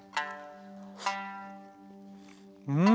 うん！